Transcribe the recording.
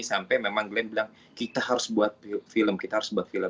sampai memang glenn bilang kita harus buat film kita harus buat film